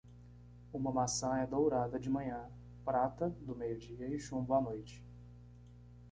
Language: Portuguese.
Uma maçã é dourada de manhã, prata do meio dia e chumbo à noite.